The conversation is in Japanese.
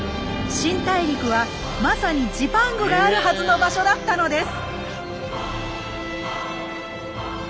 「新大陸」はまさにジパングがあるはずの場所だったのです！